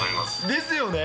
ですよね。